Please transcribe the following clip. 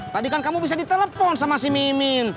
tadi kan kamu bisa ditelepon sama si mimin